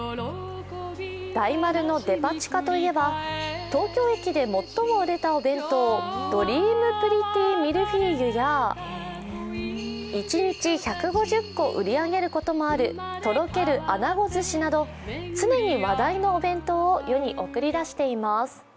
大丸のデパ地下といえば東京駅で最も売れたお弁当、ドリームプリティミルフィーユや一日１５０個売り上げることもあるとろける穴子寿司など常に話題のお弁当を世に送り出しています。